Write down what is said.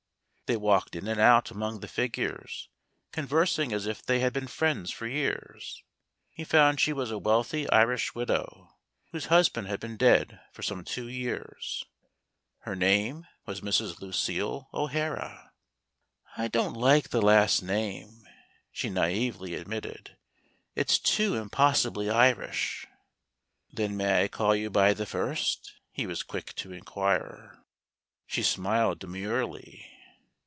They walked in and out among the figures, con¬ versing as if they had been friends for years. He found she was a wealthy Irish widow, whose husband had been dead for some two years. Her name was Mrs. Lucille O'Hara. " I don't like the last name," shenaively admitted; " it's too impossibly Irish." " Then I may call you by the first?" he was quick to inquire. She smiled demurely.